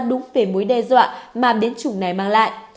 đúng về mối đe dọa mà biến chủng này mang lại